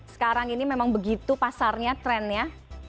sekarang ini memang begitu pasarnya trennya